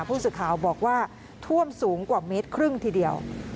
ผู้สื่อข่าวบอกว่าท่วมสูงกว่าเมตรครึ่งทีเดียว